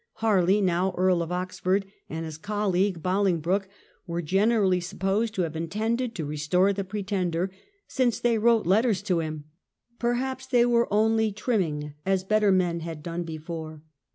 Harley, now Earl of Oxford, and his colleague Bolingbroke, are generally supposed to have intended to restore the Pretender, since they wrote letters to him. Perhaps they were only trimming, as better men had done before.